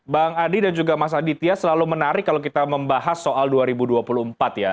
bang adi dan juga mas aditya selalu menarik kalau kita membahas soal dua ribu dua puluh empat ya